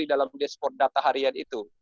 di dalam dashboard data harian itu